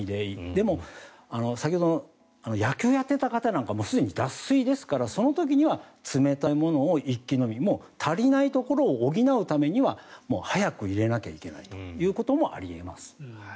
でも、先ほどの野球をやっていた方はすでに脱水ですからその時には冷たいものを一気飲み足りないところを補うためには早く入れなきゃいけないということもあります。